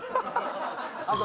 あと。